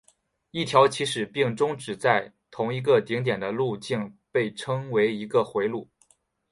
一条起始并终止在同一个顶点的路径被称为一个回路。